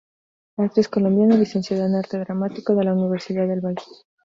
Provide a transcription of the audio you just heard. Actriz colombiana, licenciada en arte dramático de la Universidad del Valle.